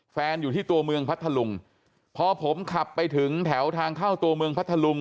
อยู่ที่ตัวเมืองพัทธลุงพอผมขับไปถึงแถวทางเข้าตัวเมืองพัทธลุง